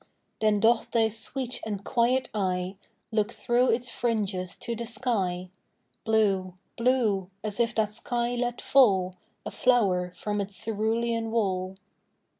Then doth thy sweet and quiet eye Look through its fringes to the sky, Blue blue as if that sky let fall A flower from its cerulean wall.